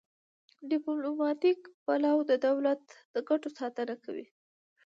ډیپلوماتیک پلاوی د دولت د ګټو ساتنه کوي